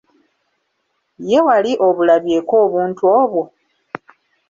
Ye wali obulabyeko obuntu obwo?